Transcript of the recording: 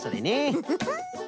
フフフ。